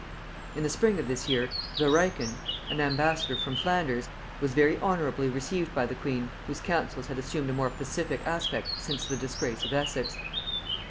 In the spring of this year, Vereiken, an ambassador from Flanders, was very honorably received by the queen, whose counsels had assumed a more pacific aspect since the disgrace of Essex.